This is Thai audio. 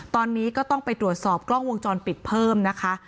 ตอนนี้ก็ต้องไปตรวจสอบกล้องวงจรปิดเพิ่มนะคะ